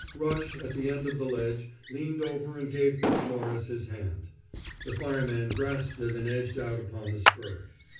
Rush, at the end of the ledge, leaned over and gave Fitzmaurice his hand. The fireman grasped it, and edged out upon the spur.